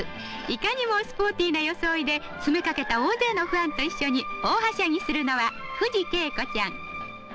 いかにもスポーティーな装いで詰め掛けた大勢のファンと一緒に大はしゃぎするのは藤圭子ちゃん。